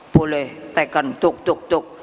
boleh taken tuk tuk tuk